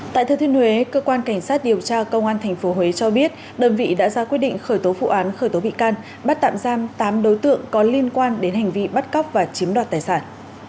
tại thừa thiên huế cơ quan cảnh sát điều tra công an tp huế cho biết đơn vị đã ra quyết định khởi tố vụ án khởi tố bị can bắt tạm giam tám đối tượng có liên quan đến hành vi bắt cóc và chiếm đoạt tài sản